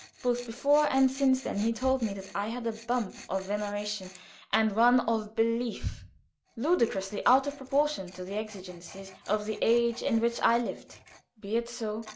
Both before and since then he had told me that I had a bump of veneration and one of belief ludicrously out of proportion to the exigencies of the age in which I lived. Be it so.